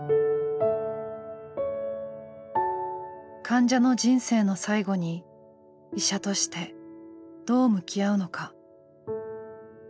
患者の人生の最期に医者としてどう向き合うのか。